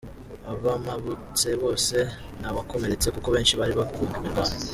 Abamabutse bose ntawakomeretse kuko benshi bari guhunga imirwano.